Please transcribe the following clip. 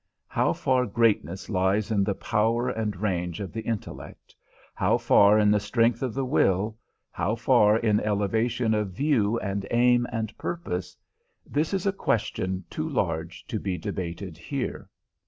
How far greatness lies in the power and range of the intellect, how far in the strength of the will, how far in elevation of view and aim and purpose, this is a question too large to be debated here.